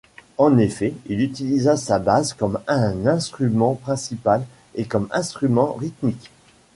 En effet, il utilisa sa basse comme un instrument principal et comme instrument rythmique.